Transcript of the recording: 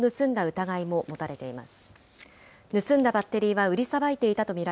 疑いも持たれています。